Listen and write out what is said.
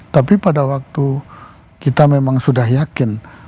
tapi pada waktu kita memang sudah yakin